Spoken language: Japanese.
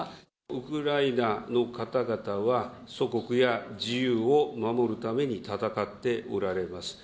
ウクライナの方々は、祖国や自由を守るために戦っておられます。